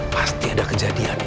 pasti ada kejadian ini